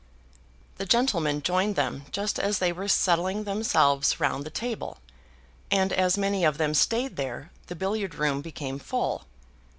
The gentlemen joined them just as they were settling themselves round the table, and as many of them stayed there, the billiard room became full.